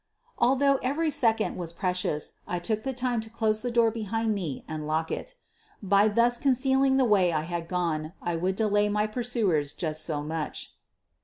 Although every second was precious, I took the time to close the door behind me and lock it. By ithus concealing the way I had gone I would delay pry pursuers just so much.